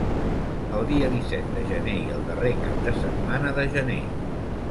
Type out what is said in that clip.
El dia disset de gener i el darrer cap de setmana de gener.